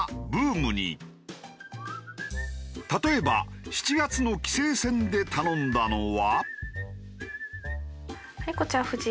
例えば７月の棋聖戦で頼んだのは。